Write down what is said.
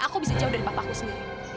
apa om sengaja mencuri anaknya